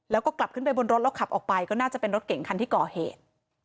แล้วก็กลับขึ้นไปบนรถแล้วขับออกไปก็น่าจะเป็นรถเก่งคันที่ก่อเหตุ